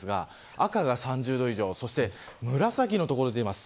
赤が３０度以上、そして紫の所が出ています。